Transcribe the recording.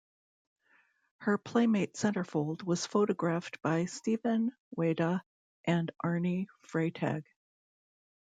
Her Playmate centerfold was photographed by Stephen Wayda and Arny Freytag.